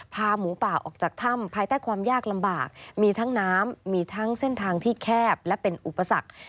หมูป่าออกจากถ้ำภายใต้ความยากลำบากมีทั้งน้ำมีทั้งเส้นทางที่แคบและเป็นอุปสรรค